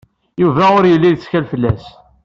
Yuba ur yelli lettkal fell-as.